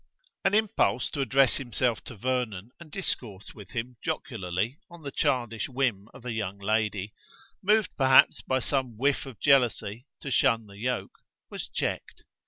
An impulse to address himself to Vernon and discourse with him jocularly on the childish whim of a young lady, moved perhaps by some whiff of jealousy, to shun the yoke, was checked.